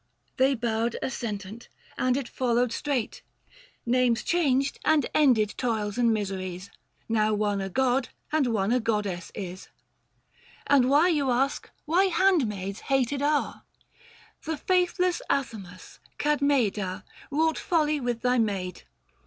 They bowed assentant, and it followed straight ; Book VI. THE FASTI. 197 Xames changed, and ended toils and miseries, Now one a god and one a goddess is. 660 And now you ask, why handmaids hated are ? The faithless Athamas, Cadmeida ! Wrought folly with thy maid.